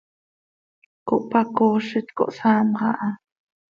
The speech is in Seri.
Cohpacoozit, cohsaamx aha.